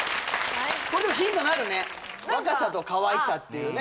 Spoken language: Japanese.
これでもヒントになるね若さとかわいさっていうね